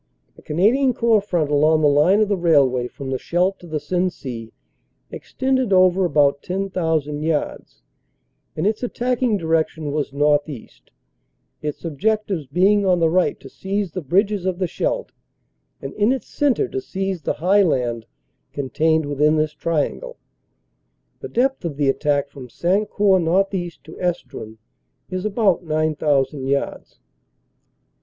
The Canadian Corps front along the 250 CANADA S HUNDRED DAYS line of the railway from the Scheldt to the Sensee extended over about 10,000 yards, and its attacking direction was north east, its objectives being on the right to seize the bridges of the Scheldt and in its centre to seize the high land contained within this triangle. The depth of the attack from Sancourt northeast to Estrun is about 9,000 yards.